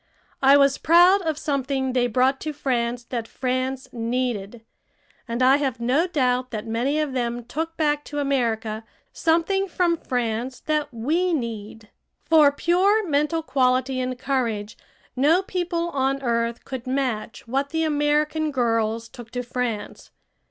I was proud of something they brought to France that France needed, and I have no doubt that many of them took back to America something from France that we need. For pure mental quality and courage, no people on earth could match what the American girls took to France.